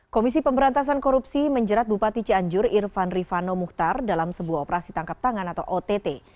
komisi pemberantasan korupsi menjerat bupati cianjur irfan rifano muhtar dalam sebuah operasi tangkap tangan atau ott